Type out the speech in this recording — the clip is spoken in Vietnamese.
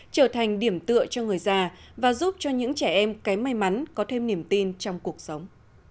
trở thành điểm tựa cho người già và giúp cho những trẻ em kém may mắn có thêm niềm tin trong cuộc sống